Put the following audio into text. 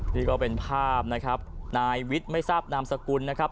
นี่ก็เป็นภาพนะครับนายวิทย์ไม่ทราบนามสกุลนะครับ